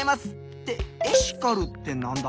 ってエシカルってなんだ？